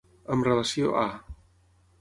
Amb relació a.